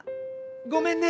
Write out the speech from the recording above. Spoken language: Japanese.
ごめんね。